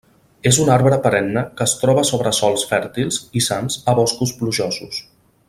És un arbre perenne que es troba sobre sòls fèrtils i sans a boscos plujosos.